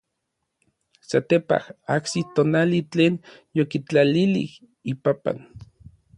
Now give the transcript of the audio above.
Satepaj ajsis tonali tlen yokitlalilij ipapan.